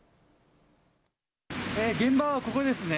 現場はここですね。